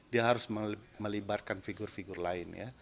dia harus melibatkan figur figur lain ya